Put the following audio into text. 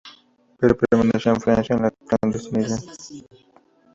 Pero permaneció en Francia en la clandestinidad.